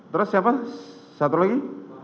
terus siapa satu lagi